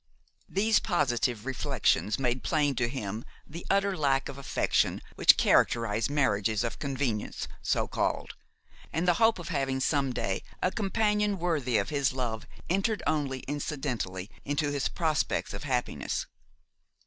These positive reflections made plain to him the utter lack of affection which characterizes marriages of convenience, so called, and the hope of having some day a companion worthy of his love entered only incidentally into his prospects of happiness.